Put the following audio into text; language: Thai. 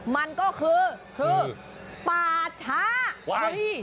มันก็คือคือป่าช้า